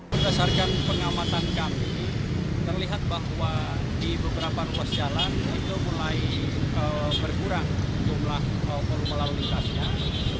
berdasarkan pengamatan kami terlihat bahwa di beberapa ruas jalan itu mulai berkurang jumlah volume lalu lintasnya